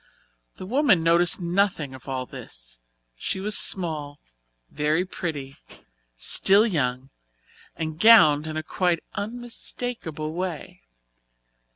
The woman noticed nothing of all this. She was small, very pretty, still young, and gowned in a quite unmistakable way.